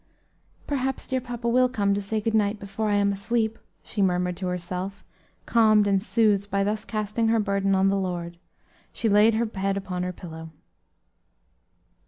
"Perhaps dear papa will come to say good night before I am asleep," she murmured to herself as, calmed and soothed by thus casting her burden on the Lord, she laid her head upon her pillow.